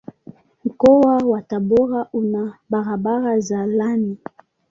Mkoa wa Tabora una barabara za lami.